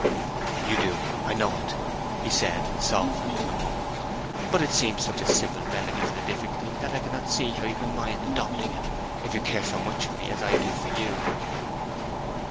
'You do, I know it!' he said, softened in a moment. 'But it seems such a simple remedy for the difficulty that I cannot see how you can mind adopting it, if you care so much for me as I do for you.'